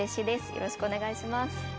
よろしくお願いします